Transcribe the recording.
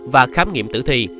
và khám nghiệm tử thi